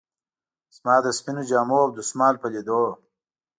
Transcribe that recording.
زما د سپینو جامو او دستمال په لیدو.